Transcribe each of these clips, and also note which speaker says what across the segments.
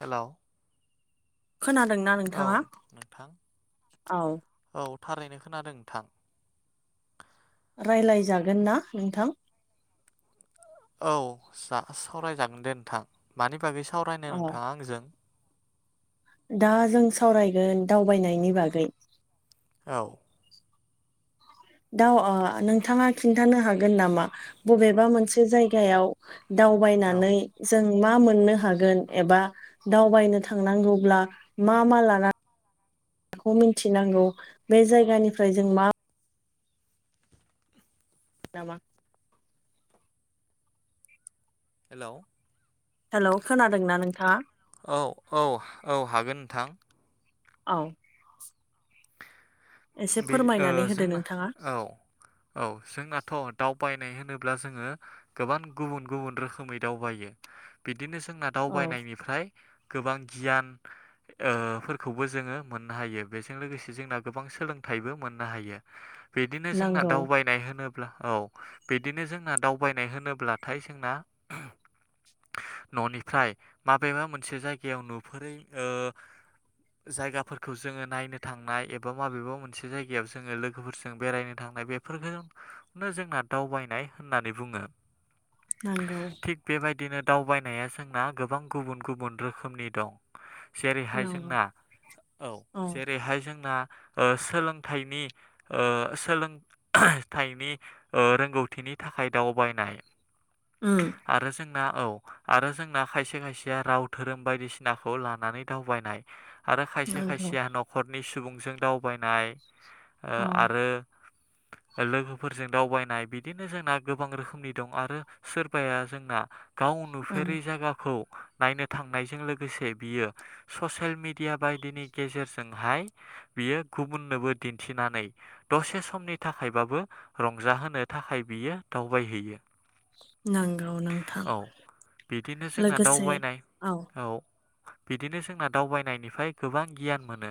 Speaker 1: हेल'
Speaker 2: खोनादोंना नोंथाङा
Speaker 1: नोंथां
Speaker 2: औ
Speaker 1: औ थारैनो खोनादों नोंथां
Speaker 2: रायलायजागोन ना नोंथां
Speaker 1: औ सावरायजागोन दे नोंथां मानि बागै सावरायनो
Speaker 2: औ
Speaker 1: नोंथाङा आंजों
Speaker 2: दा जों सावरायगोन दावबायनायनि बागै
Speaker 1: औ
Speaker 2: दा नोंथाङा खिन्थानो हागोन नामा बबेबा मोनसे जायगायाव
Speaker 1: औ
Speaker 2: दावबायनानै जों मा मोननो हागोन एबा दावबायनो थांनांगौब्ला मा मा लानानै बेखौ मिथिनांगौ बे जायगानिफ्राय जों मा नामा
Speaker 1: हेलौ
Speaker 2: हेलौ खोनादोंना नोंथाङा
Speaker 1: औ औ औ हागोन थां
Speaker 2: औ एसे
Speaker 1: ओ
Speaker 2: फोरमायनानै होदो
Speaker 1: जोंना
Speaker 2: नोंथाङा
Speaker 1: औ औ जोंनाथ' दावबाय नाय होनोब्ला जोङो गोबां गुबन गुबुन रोखोमै दावबायो बिदिनो जोंना
Speaker 2: औ
Speaker 1: दावबायनायनिफ्राय गोबां गियान ओ फोरखौबो जोङो मोननो हायो बेजों लोगोसे जोंना गोबां सोलोंथायबो मोननो हायो बिदिनो जोंना
Speaker 2: नांगौ
Speaker 1: दावबायनाय होनो औ बिदिनो जोंना दावबायनाय होनोब्लाथाय जोंना न'निफ्राय माबेबा मोनसे जायगायाव नुफेरै जायगाफोरखौ जोङो नायनो थांनाय एबा बा माबेबा मोनसे जायगायाव जोङो लोगोफोरजों बेरायनो थांनाय बेफोरखौनो जोंना दावबायनाय होननानै बुङो
Speaker 2: नांगौ
Speaker 1: थिग बेबायदिनो दावबायनाया जोंना गोबां गुबुन गुबुन रोखोमनि दं जेरैहाय
Speaker 2: नांगौ
Speaker 1: जोंना औ जेरैहाय जोंना सोलोंथाइनि ओ सोलोंथाइनि ओ रोंगौथिनि नि थाखाय दावबायनाय
Speaker 2: ओम
Speaker 1: ना औ आरो जोंना खायसे खायसेया राव धोरोम बायदिसिनाखौ लानानै दावबायनाय आरो खायसे
Speaker 2: नंगौ
Speaker 1: खायसेया न'खरनि सुबुंजों दावबायनाय
Speaker 2: औ
Speaker 1: आरो लोगोफोरजों दावबायनाय बिदिनो जोंना गोबां रोखोमनि दं आरो सोरबाया जोंना गाव
Speaker 2: औ
Speaker 1: नुफेरै जायगाखौ नायनो थांनायजों लोगोसे बियो ससियेल मेडिया बायदिनि गेजेरजोंहाय बियो गुबुननोबो दिन्थिनानै दसे समनि थाखायबाबो रंजाहोनो थाखाय बियो दावबायहैयो
Speaker 2: नंगौ नोंथां
Speaker 1: औ बिदिनो जोंना
Speaker 2: लोगोसे
Speaker 1: दावबायनाय औ बिदिनो जोंना दावबायनायनिफ्राय गोबां गियान मोनो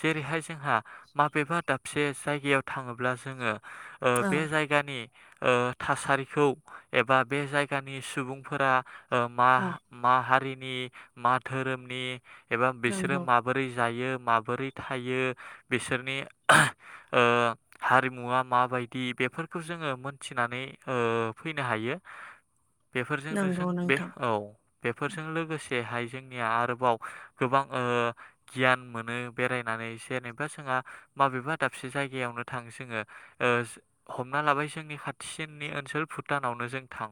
Speaker 1: जेरैहाय जोंहा माबेबा दाबसे से जायगायाव थाङोब्ला जोङो
Speaker 2: औ
Speaker 1: बे जायगानि थासारिखौ एबा बे जायगा सुबुंफोरा ओ मा
Speaker 2: औ
Speaker 1: मा हारिनि मा धोरोमनि एबा बिसोरो
Speaker 2: नंगौ
Speaker 1: माबोरै जायो माबोरै थायो बिसोरनि हारिमुआ माबायदि बेफोरखौ जोङो मोनथिनानै ओ फैनो हायो बेफोरजोंनो
Speaker 2: नंगौ
Speaker 1: जों
Speaker 2: नोंथां
Speaker 1: औ बेफोरजों लोगोसे हाय जोंनिया आरोबाव गोबां ओ गियान मोनो बेरायनानै जेनेबा जोंहा माबेबा दाबसे जायगायावनो थां जोङो ओ हमना लाबाय जोंनि खाथिसिननि ओनसोल भुटानावनो जों थां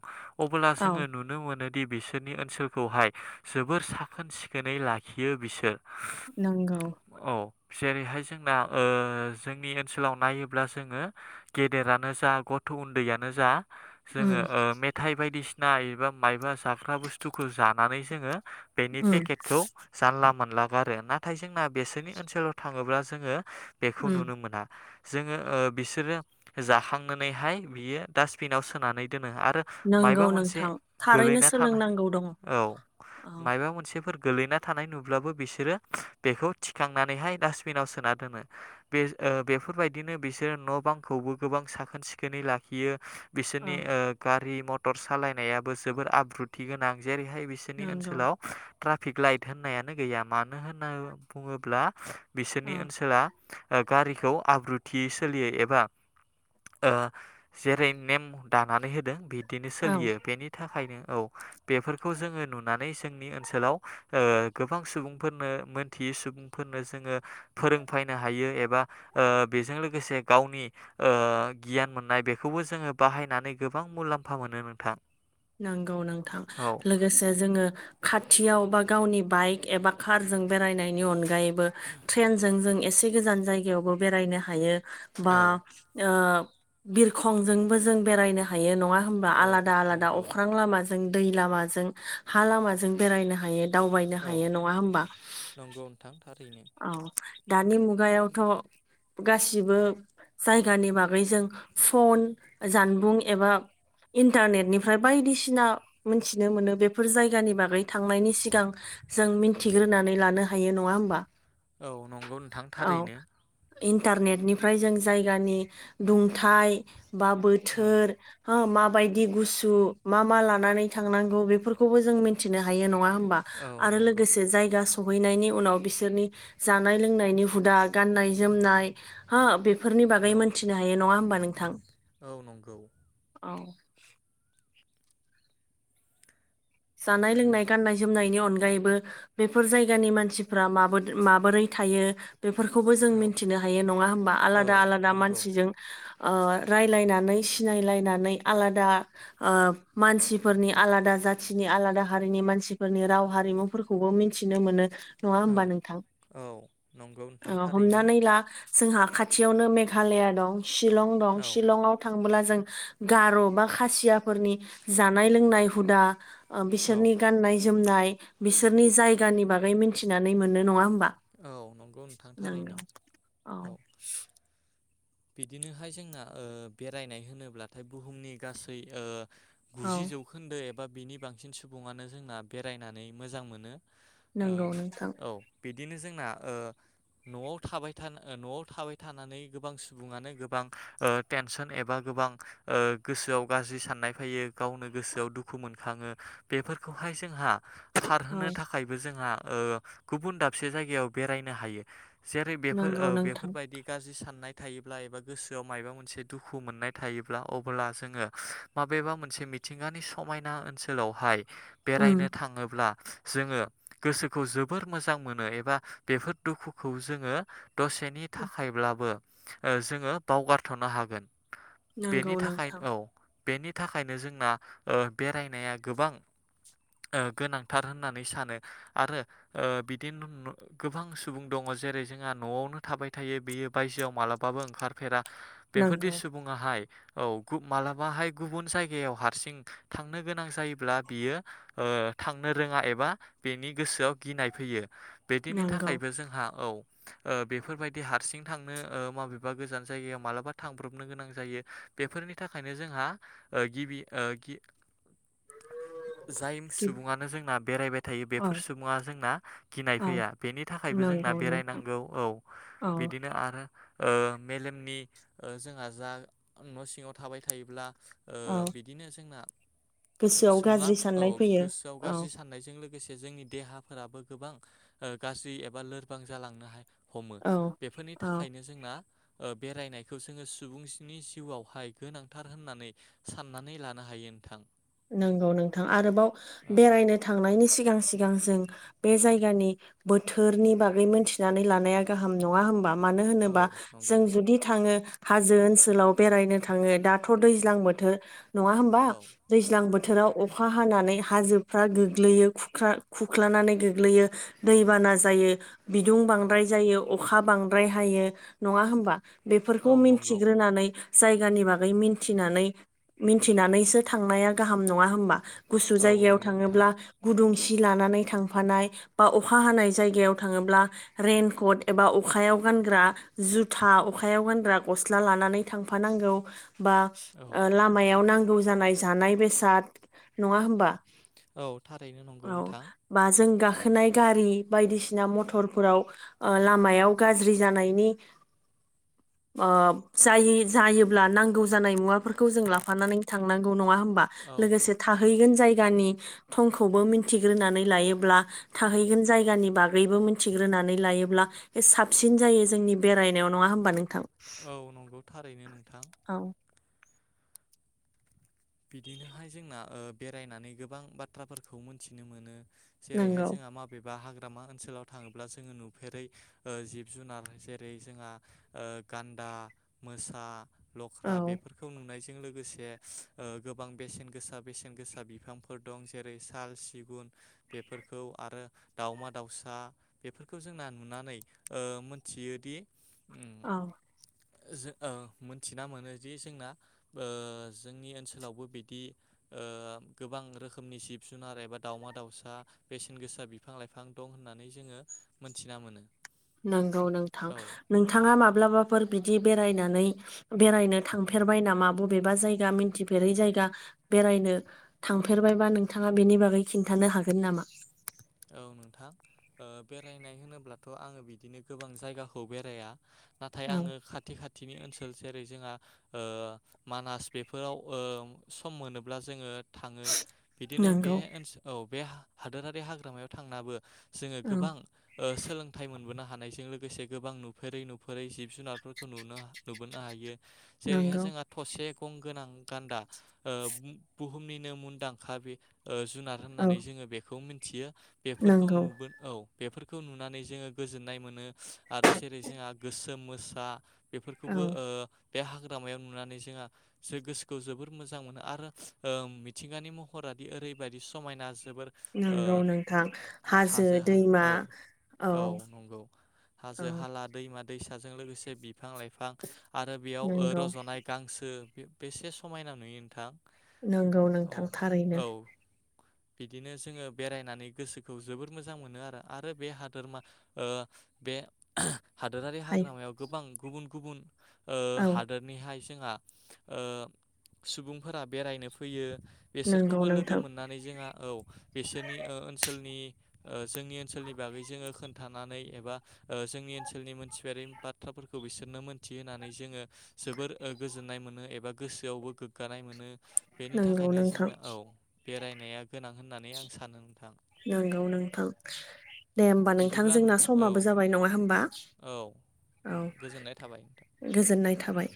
Speaker 1: अब्ला
Speaker 2: औ
Speaker 1: जोङो नुनो मोनो दि बिसोरनि ओनसोलखौहाय जोबोर साखोन सिखोनै लाखियो बिसोर
Speaker 2: नोंगौ
Speaker 1: औ जेरैहाय जोंना ओ जोंनि ओनसोलाव नायोब्ला जोङो गेदेरानो जा गथ गथ' उन्दैयनो जा
Speaker 2: उम
Speaker 1: जोङो ओ मेथाइ बायदिसिना एबा मायबा जाग्रा बुस्थुखौ जानानै जोङो बेनि
Speaker 2: उम
Speaker 1: पेकेटखौ जानला मोनला गारो नाथाय जोंना बेसोरनि ओनसोलाव थाङोब्ला जोङो बेखौ
Speaker 2: उम
Speaker 1: नुनो मोना जोङो ओ बिसोरो जाखांनानैहाय बियो डास्टबिनाव सोनानै दोनो आरो
Speaker 2: नंगौ
Speaker 1: मायबा मोनसे
Speaker 2: नोंथां थारैनो
Speaker 1: गोलैना थानाय
Speaker 2: सोलोंनांगौ दङ
Speaker 1: औ
Speaker 2: औ
Speaker 1: माबा मोनसेफोर गोलैना थानाय नुब्लाबो बिसोरो बेखौ थिखांनानैहाय डास्टबिनाव सोना दोनो बे ओ बेफोरबायदिनो बिसोरो न' बांखौबो गोबां साखोन सिखोनै लाखियो।
Speaker 2: औ
Speaker 1: बिसोरनि ओ गारि मथर सालायनायाबो जबोर आब्रुथि गोनां। जेरैहाय बिसोरनि
Speaker 2: नंगौ
Speaker 1: ओनसोलाव ट्राफिक लाइट होननायानो गैया मानो होनना बुङोब्ला बिसोरनि
Speaker 2: औ
Speaker 1: ओनसोला गारिखौ आब्रुथि सोलियो एबा जेरै नेम दानानै होदों बि बिदिनो
Speaker 2: औ
Speaker 1: सोलियो बेनि थाखायनो औ बेफोरखौ जोङो नुनानै जोंनि ओनसोलाव गोबां सुबुंफोरनो मोनथियै सुबुंफोरनो जोङो फोरोंफैनो हायो एबा बेजों लोगोसे गावनि गियान मोननाय बेखौबो जोङो बाहायनानै गोबां मुलाम्फा एफा मोनो नोंथां।
Speaker 2: नांगौ नांथां
Speaker 1: औ
Speaker 2: लोगोसे जोङो खाथियाव बा गावनि बाइक एबा कारजों बेरायनायनि अनगायैबो ट्रेनजों जों एसे एसे गोजान जायगायावबो बेरायनो हायो। बा
Speaker 1: औ
Speaker 2: बिरखंजोंबो जों बेरायनो हायो नङा। होनोमबा
Speaker 1: औ
Speaker 2: आलादा आलादा अ
Speaker 1: नंगौ
Speaker 2: लामाजों दै लामाजों हा लामाजों बेरायनो हायो। दावबायनो
Speaker 1: औ
Speaker 2: हायो नङा होमबा।
Speaker 1: नंगौ नोंथां थारैनो
Speaker 2: औ दानि मुगायावथ' गासिबो जायगानि बागै जों फन जानबुं एबा इन्टारनेटनिफ्राय बायदिसिना मोनथिनो मोनो बेफोर जायगानि बागै थांनायनि सिगां जों मिथिग्रोनानै लानो हायो नङा होमबा।
Speaker 1: औ नंगौ नोंथां
Speaker 2: औ
Speaker 1: थारैनो।
Speaker 2: इन्टारनेटनिफ्राय जों जायगानि दुंथाय बा
Speaker 1: औ
Speaker 2: बोथोर माबायदि गुसु मा मा लानानै थांनांगौ बेफोरखौबो जों मिथिनो हायो नङा। होनबा
Speaker 1: औ
Speaker 2: आरो
Speaker 1: नंगौ
Speaker 2: लोगोसे जायगा सहैनायनि उनाव बिसोरनि जानाय लोंनायनि हुदा गाननाय जोमनाय हो बेफ बेफोरनि बागै
Speaker 1: औ
Speaker 2: मोनथिनो हायो नङा होमबा नोंथां।
Speaker 1: औ नंगौ।
Speaker 2: औ। जानाय लोंनाय गान्नाय जोमनायनि अनगायैबो बेफोर जायगानि मानसिफ्रा मा माबोरै थ थायो बेफोरखौबो जों
Speaker 1: औ
Speaker 2: मिथिनो हायो नङा हबा
Speaker 1: औ
Speaker 2: आलादा आलादा
Speaker 1: नंगौ
Speaker 2: मानसिजों रायजलायनानै सिनायलायनानै आलादा मानसिफोरनि आलादा जाथि मानसिनि आलादा हारिनि मानसिफोरनि राव हारिमुफोरखौबो मिथिनो मोनो। नङा हबा
Speaker 1: औ
Speaker 2: नोंथां
Speaker 1: औ नंगौ नोंथां थारैनो
Speaker 2: हमनानै ला? जोंहा खाथियावनो मेघालया दं शिलं दं
Speaker 1: औ
Speaker 2: शिलंआव थां थांब्ला जों गार' बा खासियाफोरनि जानाय लोंनाय हुदा ओ
Speaker 1: औ
Speaker 2: बिसोरनि गाननाय जोमनाय बिसोरनि जायगानि बागै मिथिनानै मोननो नङा होम
Speaker 1: औ नंगौ नोंथां थारैनो औ बिदिनोहाय जोंना बेरायनाय होनोब्लाथाय बुहुमनि गासै
Speaker 2: औ
Speaker 1: गुजि जौखोन्दो एबा बिनि बांसिन सुबुङानो जोंना बेरायनानै मोजां मोनो।
Speaker 2: नंगौ
Speaker 1: ओ
Speaker 2: नोंथां।
Speaker 1: औ बिदिनो जोंना ओ न'आव थाबाय न'आव थाबाय थानानै गोबां सुबुङानो गोबां टेनसन एबा गोबां गोसोआव गाज्रि साननाय फैयो गावनो गोसोआव दुखु मोनखाङो बेफोरखौहा यै जोंहा
Speaker 2: औ
Speaker 1: खारहोनो थाखायबो जोंहा गुबुन दाबसे जायगायाव बेरायनो हायो। जेरै
Speaker 2: नंगौ
Speaker 1: बेफोर
Speaker 2: नोंथां
Speaker 1: बेफोरबायदि गाज्रि साननाय। थायोब्ला एबा गोसोआव मायबा मोनसे दुखु मोननाय थायोब्ला अबोला जोङो माबेबा मोनसे मिथिंगानि समायना ओनसोलावहाय
Speaker 2: उम
Speaker 1: बेरायनो थाङोब्ला जोङो गोसोखौ जोबोर मोजां मो नो एबा बेफोर दुखुखौ जोङो दसेनि थाखायब्लाबो जोङो बाव गारथ'नो हागोन।
Speaker 2: नंगौ
Speaker 1: बेनि थाखाय
Speaker 2: नोंथां
Speaker 1: औ बेनि थाखायनो जोंना बेरायनाया गोबां गोनांथार होननानै सानो आरो बि दिन गोबां सुबुं दङ जेरै जोंहा न'आवनो थाबाय थायो बेयो बायजोआव मालाबाबो ओंखारफेरा बेफोरदि
Speaker 2: नंगौ
Speaker 1: सुबुङाहाय औ मालाबाहाय गुबुन जायगायाव हारसिं थांनो गोनां जायोब्ला बियो ओ थांनो रोङा एबा बेनि गोसोआव गिनाय फैयो बिदिनि
Speaker 2: नंगौ
Speaker 1: थाखायबो जोंहा ओ ओ बेफोरबायदि हारसिं थांनो माबेबा गोजान जायगायाव मालाबा थांब्रबनो गोनां जायो बेफोरनि थाखायनो जोंहा गिबि जाय
Speaker 2: गि-
Speaker 1: सुबुङानो जोंना बेरायबाय थायो
Speaker 2: औ
Speaker 1: बेफोर सुबुङा जोंना गिनाय
Speaker 2: औ
Speaker 1: फैया बेनि थाखायबो जोंना
Speaker 2: नंगौ नोंथां
Speaker 1: बेरायनांगौ औ
Speaker 2: औ
Speaker 1: बिदिनो आरो मेलेमनि जोंहा जा न' सिङाव थाबाय थायोब्ला
Speaker 2: औ
Speaker 1: बिदिनो जोंना
Speaker 2: गोसोआव
Speaker 1: सुबुङा
Speaker 2: गाज्रि
Speaker 1: औ
Speaker 2: साननाय फैयो
Speaker 1: गोसोआव
Speaker 2: औ
Speaker 1: गाज्रि साननायजों लोगोसे जोंनि देहाफोराबो गोबां गाज्रि एबा लोरबां जालांनो हायो हमो
Speaker 2: औ
Speaker 1: बेफोरनि
Speaker 2: औ
Speaker 1: थाखायनो जोंना बेरायनायखौ जोङो सुबुंसिनि जिउआवहाय गोनांथार होननानै साननानै लानो हायो नोंथां।
Speaker 2: नंगौ नोंथां आरोबाव
Speaker 1: औ
Speaker 2: बेरायनो थांनायनि सिगां सिगां जों बे जायगानि बोथोरनि बागै मोनथिनानै लानाया गाहाम नङा होमबा? मानो होनोबा
Speaker 1: औ नंगौ
Speaker 2: जों जुदि थाङो हाजो ओनसोलाव बेरायनो थाङो दाथ' दैज्लां बोथोर नङा होमबा?
Speaker 1: औ
Speaker 2: दैज्लां बोथोराव अखा हानानै हाजोफ्रा गोग्लैयो खुख्लानानै गोग्लैयो दै बाना जायो बिदुं
Speaker 1: औ
Speaker 2: बांद्राय जायो अखा बांद्राय हायो नङा होमबा?
Speaker 1: औ
Speaker 2: बेफोरखौ
Speaker 1: नंगौ
Speaker 2: मिथिग्रोनानै जायगानि बागै मिथिनानै मिथिनानैसो थांनाया गाहाम नङा होमबा? गुसु
Speaker 1: औ
Speaker 2: जायगायाव
Speaker 1: नंगौ नोंथां
Speaker 2: थाङोब्ला गुदुं सि लानानै थांफानाय बा अखा हानाय जायगायाव थाङोबा रैन क'ट एबा अखायाव गानग्रा जुथा अखायाव गानग्रा गस्ला लानानै थांफानांगौ बा
Speaker 1: औ
Speaker 2: लामायाव नांगौ जानाय जानाय बेसाद नङा होमबा?
Speaker 1: औ थारैनो नंगौ
Speaker 2: औ
Speaker 1: नोंथां
Speaker 2: बा जों गा खोनाय गारि बायदिसिना मथरफोराव लामायाव गाज्रि जानायनि
Speaker 1: [inaudible]
Speaker 2: जायि जायोब्ला नांगौ जानाय मुवाफोरखौ जों लाफानानै थांनां गौ नङा होनबा
Speaker 1: औ
Speaker 2: लोगोसे थाहैगोन जाय गानि थंखौबो मिथिग्रोनानै लायोब्ला थाहैगोन जायगानि बागैबो मिथिग्रोना नै लायोब्ला बे साबसिन जायो जोंनि बेरायनायाव नङा होमबा नोंथां?
Speaker 1: औ नंगौ थारैनो नोंथां।
Speaker 2: औ
Speaker 1: बिदिनोहाय जोंना बेरायनानै गोबां बाथ्राफोरखौ मोनथिनो मोनो जेरैहाय
Speaker 2: नंगौ
Speaker 1: जोंहा माबेबा हा ग्रामा ओनसोलाव थाङोब्ला जोङो नुफेरै जिब जुनार जेरै जोंहा गान्दा आ मोसा लख्रा
Speaker 2: औ
Speaker 1: बेफोरखौ नुनायजों लोगोसे ओ गोबां बेसेन गोसा बेसेन गोसा बिफांफोर दं जेरै साल सिगुन बेफोरखौ आरो दाउमा दाउसा बेफोरखौ जोंना नुनानै ओ मोनथियोदि
Speaker 2: औ।
Speaker 1: जो ओ मोनथिना मोनोदि जोंना ओ जोंनि ओन सोलावबो बिदि ओ गोबां रोखोमनि जिब जुनार एबा दाउमा दाउसा बेसेन गो गोसा बिफां लाइफां दं होननानै जोङो मोनथिना मोनो।
Speaker 2: नंगौ नोंथां
Speaker 1: औ
Speaker 2: नोंथाङा माब्लाबाफोर बिदि बेरायनो नानै बेरायनो थांफेरबाय नामा बबेबा जायगा मिथिफेरै जायगा बेरायनो थांफेरबायबा नोंथाङा बेनि बागै खिन्थानो हागोन नामा?
Speaker 1: औ नोंथां ओ बेरायनाय होनोब्लाथ' आङो बिदिनो गोबां जायगाखौ बेराया। नाथाय
Speaker 2: औ
Speaker 1: आङो खाथि खाथिनि ओनसो सोल जेरै जोंहा ओ मानास बेफोराव ओ सम मोनोब्ला जोङो थाङो बिदिनो बे
Speaker 2: नंगौ
Speaker 1: ओनसो औ बे हादोरारि हाग्रामायाव थांनाबो जोङो
Speaker 2: औ
Speaker 1: गोबां ओ सोलोंथाइ मोनबोनो हानायजों लो गोसे गोबां नुफेरै नुफेरै जिब जुनारफोरखौ नुनो नुबोनो हायो। जेरैहाय
Speaker 2: नंगौ
Speaker 1: जोंहा थसे गं गोनां गान्दा ओ बु बुहुमनिनो मुंदांखा बे ओ जुनार
Speaker 2: औ
Speaker 1: होननानै जोङो बेखौ मिनथियो बेफोरखौ
Speaker 2: नंगौ
Speaker 1: नुगोन औ बेफोरखौ नुनानै जोङो गोजोननाय मोनो आरो जेरै जोंहा गोसोम मोसा
Speaker 2: औ
Speaker 1: बेफोरखौबो ओ बे हाग्रामायाव नुनानै जोंहा गोसोखौ जोबोर मोजां मोनो आरो मिथिंगानि महरा दि ओरैबायदि समायना जोबोर ओ
Speaker 2: नंगौ नोंथां
Speaker 1: हाजो हा
Speaker 2: दैमा
Speaker 1: औ औ नंगौ हाजो
Speaker 2: औ
Speaker 1: हाला दैमा दैसाजों लोगोसे बिफां लाइफां आरो बेयाव ओ
Speaker 2: नंगौ
Speaker 1: रज'नाय गांसो बे बेसे समायना नुयो नोंथां।
Speaker 2: नंगौ
Speaker 1: औ
Speaker 2: नोंथां थारैनो।
Speaker 1: औ बिदिनो जोङो बेरायनानै गोसोखौ जोबोर मोजां मोनो आरो आरो बे हादोरमा ओ बे हादोरारि
Speaker 2: हाय
Speaker 1: हाग्रामायाव गोबां गुबुन गुबुन ओ
Speaker 2: औ
Speaker 1: हादोरनिहाय जोंहा ओ सुबुंफोरा बेरायनो फैयो।
Speaker 2: नंगौ
Speaker 1: बेसोरखौबो लोगो
Speaker 2: नोंथां
Speaker 1: मोननानै जोंहा औ बेसोरनि ओन सोलनि ओ जोंनि ओनसोलनि बागै जोङो खोनथानानै एबा ओ जोंनि ओनसोलनि मोनथिफेरै बाथ्राफोरखौ बिसोरनो मोनथि होननानै जोङो जोबोर ओ गोजोननाय मोनो एबा गोसोआवबो गोग्गानाय मोनो। बेनि
Speaker 2: नंगौ
Speaker 1: थाखायनो
Speaker 2: नोंथां
Speaker 1: जोंना औ बेरायनाया गोनां होननानै आं सानो नोंथां।
Speaker 2: नंगौ नोंथां। दे होमबा नोंथां
Speaker 1: बिदिब्ला
Speaker 2: जोंना
Speaker 1: औ
Speaker 2: समाबो जाबाय नङा होमबा?
Speaker 1: औ
Speaker 2: औ
Speaker 1: नोंथां गोजोननाय थाबाय नोंथां
Speaker 2: गोजोननाय थाबाय।